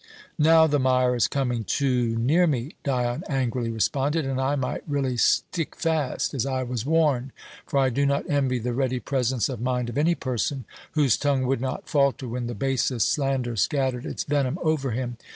"Now the mire is coming too near me," Dion angrily responded, "and I might really stick fast, as I was warned; for I do not envy the ready presence of mind of any person whose tongue would not falter when the basest slander scattered its venom over him.